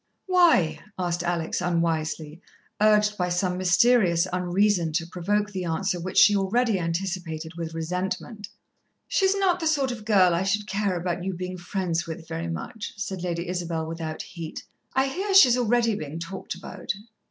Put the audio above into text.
"Why?" said Alex unwisely, urged by some mysterious unreason to provoke the answer which she already anticipated with resentment. "She's not the sort of girl I should care about you being friends with very much," said Lady Isabel without heat. "I hear she's already bein' talked about."